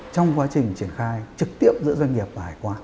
trong quá trình triển khai trực tiếp giữa doanh nghiệp và hải quan